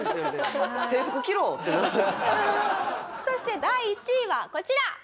そして第１位はこちら。